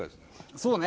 そうね。